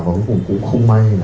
và cuối cùng cũng không may